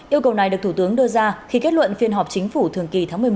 yêu cầu này được thủ tướng đưa ra khi kết luận phiên họp chính phủ thường kỳ tháng một mươi một